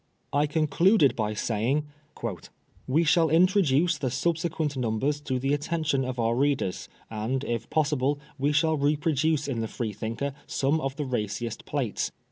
I concluded by saying —" We shall introduce the sub sequent numbers to the attention of our readers, and, if possible, we shall reproduce in the Freethinker some of the raciest plates.